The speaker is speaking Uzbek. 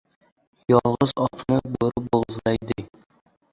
• Yolg‘iz otni bo‘ri bo‘g‘izlaydi.